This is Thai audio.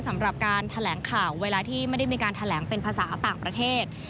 สำหรับการแถลงข่าวเวลาที่ไม่ได้มีการแถลงเป็นภาษาต่างประเทศ